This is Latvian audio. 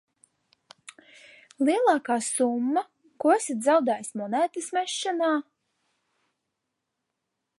Lielākā summa, ko esat zaudējis monētas mešanā?